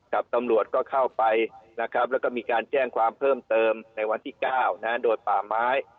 ตำรวจก็เข้าไปนะครับแล้วก็มีการแจ้งความเพิ่มเติมในวันที่๙โดยป่าไม้